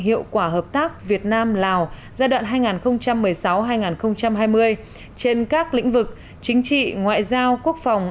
hiệu quả hợp tác việt nam lào giai đoạn hai nghìn một mươi sáu hai nghìn hai mươi trên các lĩnh vực chính trị ngoại giao quốc phòng